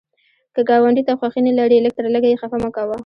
که ګاونډي ته خوښي نه لرې، لږ تر لږه یې خفه مه کوه